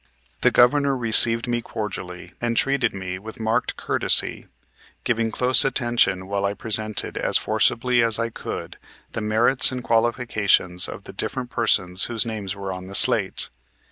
The Governor received me cordially and treated me with marked courtesy, giving close attention while I presented as forcibly as I could the merits and qualifications of the different persons whose names were on the slate.